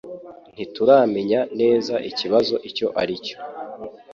Ntituramenya neza ikibazo icyo ari cyo.